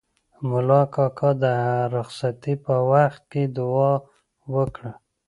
ملا کاکا د رخصتۍ په وخت کې دوعا وکړه.